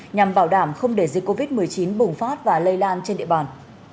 nhằm bảo đảm không để dịch covid một mươi chín bùng phát và lây lan trên địa bàn